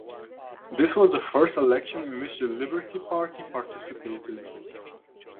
This was the first election in which the Liberty Party participated.